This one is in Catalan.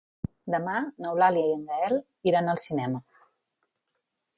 Demà n'Eulàlia i en Gaël iran al cinema.